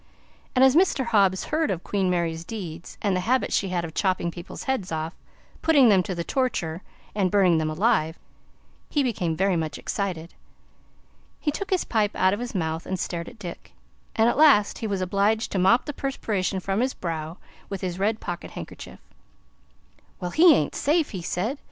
And as Mr. Hobbs heard of Queen Mary's deeds and the habit she had of chopping people's heads off, putting them to the torture, and burning them alive, he became very much excited. He took his pipe out of his mouth and stared at Dick, and at last he was obliged to mop the perspiration from his brow with his red pocket handkerchief. "Why, he ain't safe!" he said.